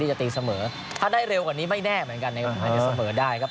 ก็จะเตียร์เสมอถ้าได้เร็วกว่านี้ก็ไม่แน่เหมือนกันนะครับ